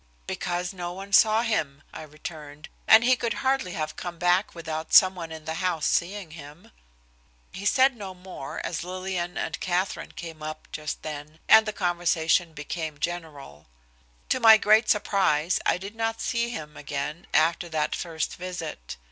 "Because no one saw him," I returned, "and he could hardly have come back without someone in the house seeing him." He said no more, as Lillian and Katherine came up just then, and the conversation became general. To my great surprise, I did not see him again after that first visit.